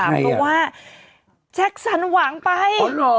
เพราะว่าแจ็คสันหวังไป